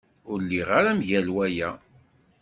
Ur lliɣ ara mgal waya.